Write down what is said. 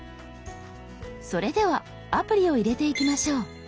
それではアプリを入れていきましょう。